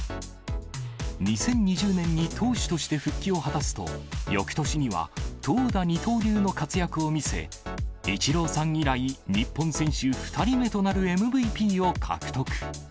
２０２０年に投手として復帰を果たすと、よくとしには投打二刀流の活躍を見せ、イチローさん以来、日本選手２人目となるＭＶＰを獲得。